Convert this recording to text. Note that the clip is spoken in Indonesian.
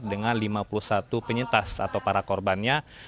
dengan lima puluh satu penyintas atau para korbannya